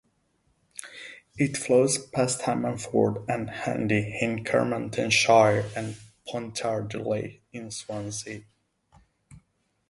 It flows past Ammanford and Hendy in Carmarthenshire and Pontarddulais in Swansea.